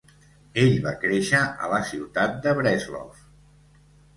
Ell va créixer a la ciutat de Breslov.